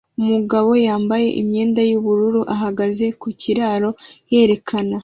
Umugabo yambaye imyenda yubururu ihagaze ku kiraro yerekana